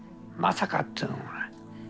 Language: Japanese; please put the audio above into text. まさかっていうのが。